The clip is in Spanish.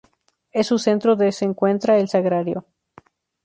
En su centro de se encuentra el sagrario.